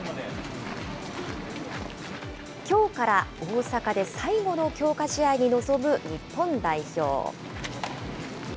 きょうから大阪で最後の強化試合に臨む日本代表。